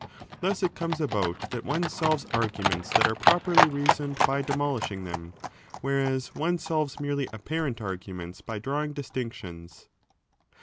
Thus it comes about that one solves arguments that are 35 properly reasoned by demolishing them, whereas one solves merely apparent arguments by drawing distinctions.